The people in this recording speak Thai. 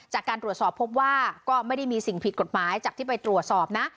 จากการตรวจสอบพบว่าก็ไม่ได้มีสิ่งผิดกฎหมายจากที่ไปตรวจสอบนะ